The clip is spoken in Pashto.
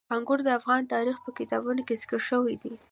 انګور د افغان تاریخ په کتابونو کې ذکر شوی دي.